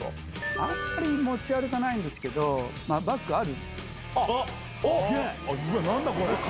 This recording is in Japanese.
あんまり持ち歩かないんですけど、バッグある？